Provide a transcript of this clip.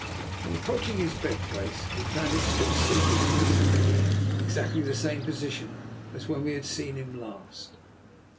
On approaching his bed place, we found him still sleeping peacefully in exactly the same position as when we had seen him last.